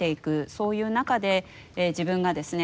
そういう中で自分がですね